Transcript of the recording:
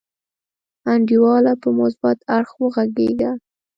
انډیواله په مثبت اړخ وغګیږه.